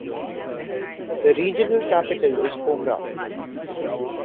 The regional capital is Koumra.